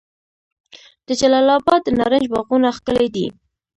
د جلال اباد د نارنج باغونه ښکلي دي.